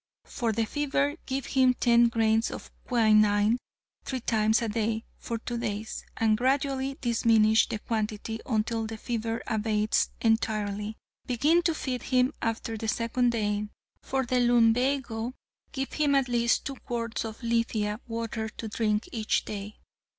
For the fever, give him ten grains of quinine three times a day for two days and gradually diminish the quantity until the fever abates entirely. Begin to feed him after the second day. For the lumbago, give him at least two quarts of lithia water to drink each day.